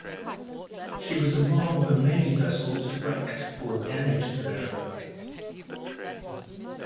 She was among the many vessels wrecked or damaged there.